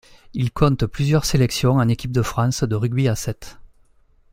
Il compte plusieurs sélections en équipe de France de rugby à sept.